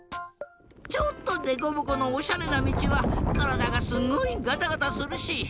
ちょっとデコボコのおしゃれなみちはからだがすごいガタガタするし。